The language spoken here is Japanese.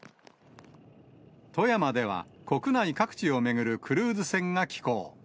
富山では、国内各地を巡るクルーズ船が寄港。